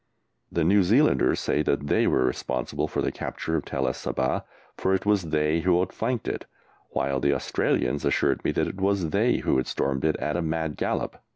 The New Zealanders say that they were responsible for the capture of Tel el Saba, for it was they who outflanked it; while the Australians assured me that it was they who had stormed it at a mad gallop.